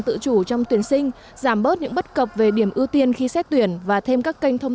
tự chủ trong tuyển sinh giảm bớt những bất cập về điểm ưu tiên khi xét tuyển và thêm các kênh thông